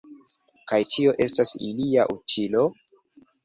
Kaj tio estas ilia utilo?